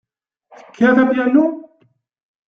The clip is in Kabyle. Tekkat apyanu?